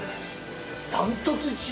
断トツ１位。